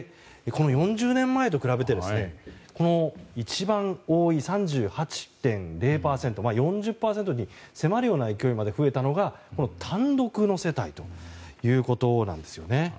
４０年前と比べて一番多い３８．０％４０％に迫るような勢いまで増えたのが単独の世帯ということなんですよね。